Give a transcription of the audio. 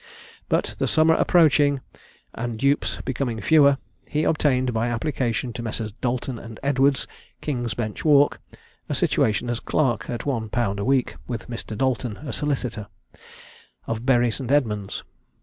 But the summer approaching and dupes becoming fewer, he obtained by application to Messrs. Dalton and Edwards, King's Bench Walk, a situation as clerk at one pound a week, with Mr. Dalton, a solicitor, of Bury St. Edmund's.